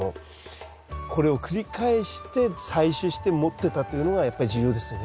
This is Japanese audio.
これを繰り返して採種して持ってたというのがやっぱり重要ですよね。